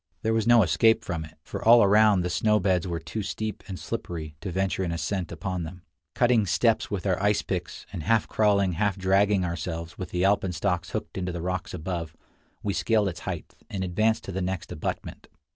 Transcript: There was no escape from it, for all around the snow beds were too steep and slippery to venture an ascent upon them. Cutting steps with our ice picks, and half crawling, half dragging ourselves, with the alpenstocks hooked into the rocks above, we scaled its height, and advanced to the next abutment.